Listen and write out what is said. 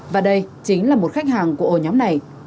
và đây chính là một khách hàng của ổ nhóm này